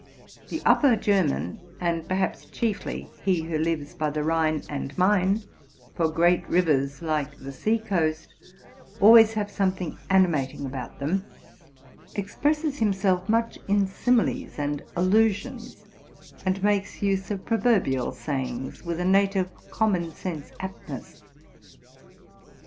The Upper German, and perhaps chiefly he who lives by the Rhine and Main (for great rivers, like the seacoast, always have something animating about them), expresses himself much in simiies and allusions, and makes use of pro 208 TRUTH AND FICTION verbial sayings with a native common sense aptness.